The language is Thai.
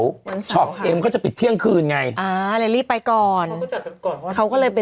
วันเสาร์ค่ะเขาจะปิดเที่ยงคืนไงอ่าแล้วรีบไปก่อนเขาก็จัดกับก่อน